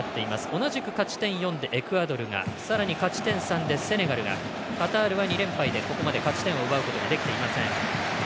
同じく勝ち点４でエクアドルがさらに勝ち点３がセネガルがカタールは２連敗でここまで勝ち点を奪うことはできていません。